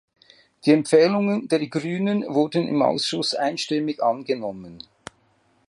Die Empfehlungen der Grünen wurden im Ausschuss einstimmig angenommen.